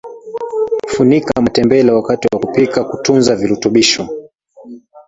funika matembele wakati wa kupika kutunza virutubishi